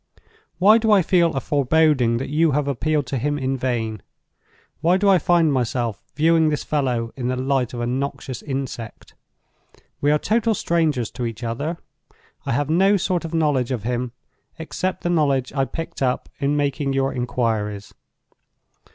Why do I feel a foreboding that you have appealed to him in vain? Why do I find myself viewing this fellow in the light of a noxious insect? We are total strangers to each other; I have no sort of knowledge of him, except the knowledge I picked up in making your inquiries.